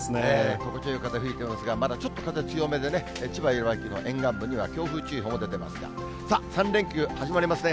心地よい風吹いてますが、まだちょっと風強めでね、千葉、茨城の沿岸部には強風注意報も出てますが、さあ、３連休始まりますね。